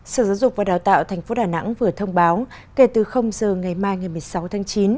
sở giáo dục và đào tạo tp đà nẵng vừa thông báo kể từ giờ ngày mai ngày một mươi sáu tháng chín